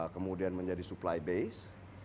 kemudian menjadi supply base